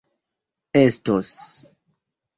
estos